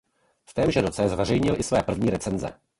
V témže roce zveřejnil i své první recenze.